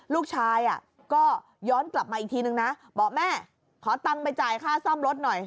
ลูกชายก็ย้อนกลับมาอีกทีนึงนะบอกแม่ขอตังค์ไปจ่ายค่าซ่อมรถหน่อย